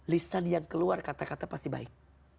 lisan yang keluar kata kata pasti baik